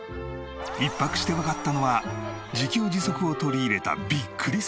１泊してわかったのは自給自足を取り入れたビックリ生活でした。